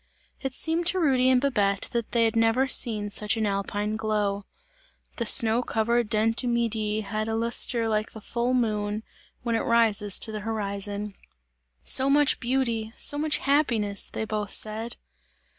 It seemed to Rudy and Babette, that they had never seen such an alpine glow. The snow covered Dent du Midi, had a lustre like the full moon, when it rises to the horizon. "So much beauty, so much happiness!" they both said.